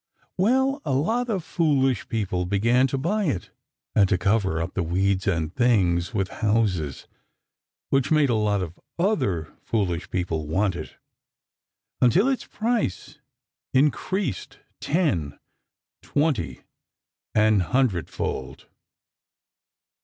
Well, a lot of foolish people began to buy it and to cover up the weeds and things with houses, which made a lot of other foolish people want it, until its price increased ten, twenty, an hundred fold!